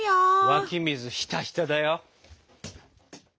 湧き水ひたひただよ！